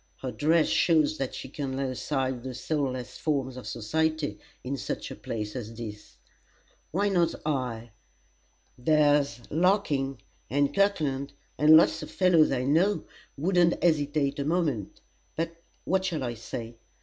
Her dress shows that she can lay aside the soulless forms of society in such a place as this: why not I? There's Larkin, and Kirkland, and lots of fellows I know, wouldn't hesitate a moment. But what shall I say?